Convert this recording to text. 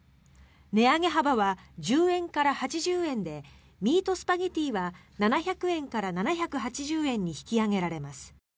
値上げ幅は１０円から８０円でミートスパゲッティは７００円から７８０円に引き上げられます。